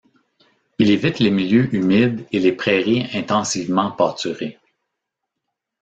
Il évite les milieux humides et les prairies intensivement pâturées.